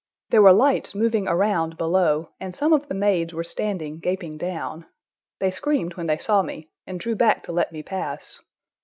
There were lights moving around below, and some of the maids were standing gaping down. They screamed when they saw me, and drew back to let me pass.